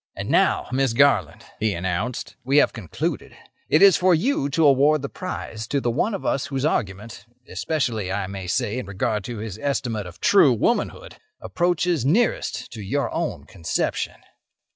"And now, Miss Garland," he announced, "we have concluded. It is for you to award the prize to the one of us whose argument—especially, I may say, in regard to his estimate of true womanhood—approaches nearest to your own conception."